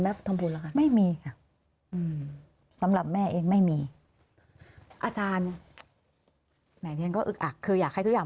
แล้วไม่มีค่ะสำหรับแม่เองไม่มีอาจารย์แม่เรียนก็อึกอากคืออยากให้ทุกอย่าง